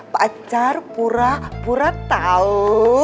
pacar pura pura tau